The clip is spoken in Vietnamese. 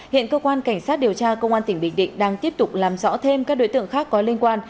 hiện cơ quan cảnh sát điều tra công an tỉnh bình định đang tiếp tục làm rõ thêm các đối tượng khác có liên quan